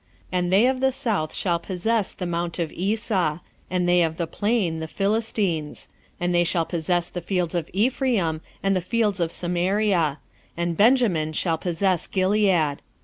1:19 And they of the south shall possess the mount of Esau; and they of the plain the Philistines: and they shall possess the fields of Ephraim, and the fields of Samaria: and Benjamin shall possess Gilead.